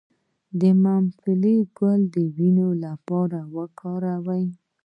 د ممپلی ګل د وینې لپاره وکاروئ